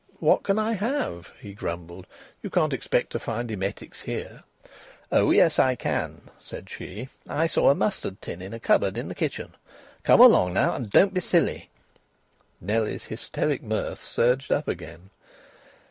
"What can I have?" he grumbled. "You can't expect to find emetics here." "Oh yes, I can," said she. "I saw a mustard tin in a cupboard in the kitchen. Come along now, and don't be silly." Nellie's hysteric mirth surged up again.